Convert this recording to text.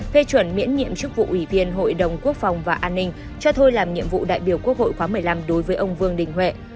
phê chuẩn miễn nhiệm chức vụ ủy viên hội đồng quốc phòng và an ninh cho thôi làm nhiệm vụ đại biểu quốc hội khóa một mươi năm đối với ông vương đình huệ